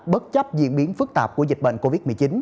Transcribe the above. bất chấp diễn biến phức tạp của dịch bệnh covid một mươi chín